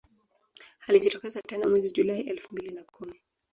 Alijitokeza tena mwezi Julai elfu mbili na kumi